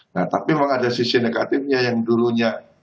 nah tapi memang ada sisi negatifnya yang dulunya